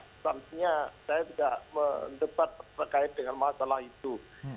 substansinya saya tidak mendebat terkait dengan masalah itu